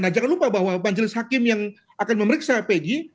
nah jangan lupa bahwa majelis hakim yang akan memeriksa pedi